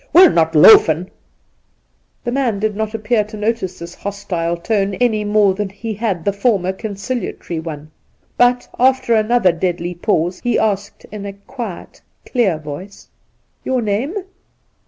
We're not loafin' !' The man did not appear to notice this hostile tone any more than he had the former conciliatory one ; but, after another deadly pause, he asked, in a quiet, clear voice :' Your name?'